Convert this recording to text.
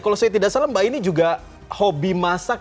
kalau saya tidak salah mbak ini juga hobi masak